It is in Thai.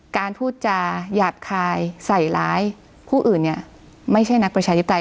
การพูดจาหยาบคายใส่ร้ายผู้อื่นเนี่ยไม่ใช่นักประชาธิปไตย